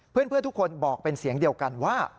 เพื่อนทุกคนบอกเป็นเสียงเดียวกันว่า